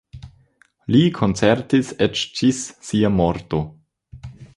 Li koncertis eĉ ĝis sia morto.